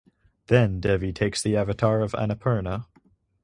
Then Devi takes the avatar of Annapurna.